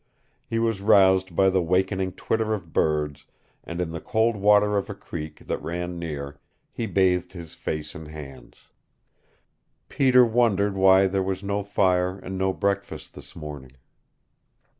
He was roused by the wakening twitter of birds and in the cold water of a creek that ran near he bathed his face and hands. Peter wondered why there was no fire and no breakfast this morning.